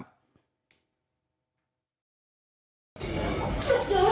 สวัสดีครับคุณผู้ชาย